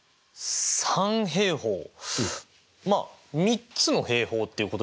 三平方まあ３つの平方っていうことですよね。